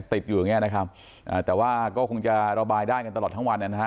ติดอยู่อย่างเงี้นะครับอ่าแต่ว่าก็คงจะระบายได้กันตลอดทั้งวันนะฮะ